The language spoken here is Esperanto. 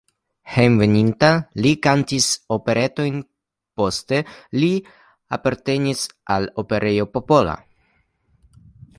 Hejmenveninta li komence kantis operetojn, poste li apartenis al Operejo Popola.